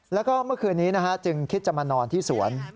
แล้วก็เมื่อคืนนี้จึงคิดจะมานอนที่สวน